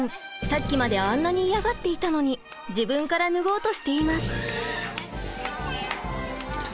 さっきまであんなに嫌がっていたのに自分から脱ごうとしています。